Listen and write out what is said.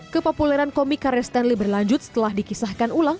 kepopuleran komik karya stanley berlanjut setelah dikisahkan ulang